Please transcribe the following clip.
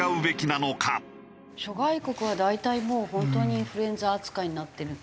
諸外国は大体もう本当にインフルエンザ扱いになってる。